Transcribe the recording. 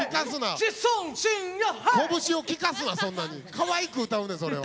かわいく歌うねんそれは。